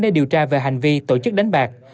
để điều tra về hành vi tổ chức đánh bạc